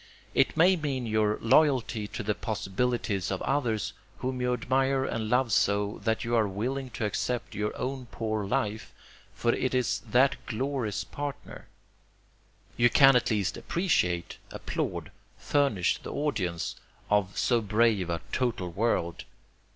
It may mean your loyalty to the possibilities of others whom you admire and love so, that you are willing to accept your own poor life, for it is that glory's partner. You can at least appreciate, applaud, furnish the audience, of so brave a total world.